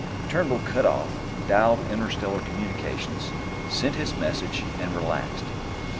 Turnbull cut off, dialed Interstellar Communications, sent his message, and relaxed.